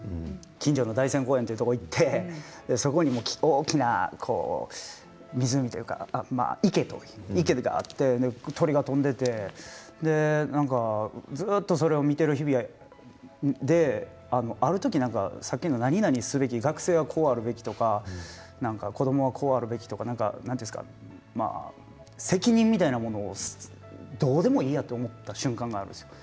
近所の大仙公園というところに行ってそこに大きな湖というか池があって鳥が飛んでいてずっとそれを見ている日々があって、ある時さっきの、なになにすべき学生はこうあるべきとか子どもはこうあるべきとか何て言うんですか責任みたいなものどうでもいいやと思った瞬間があるんです。